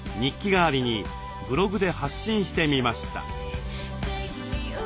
代わりにブログで発信してみました。